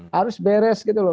harus beres gitu loh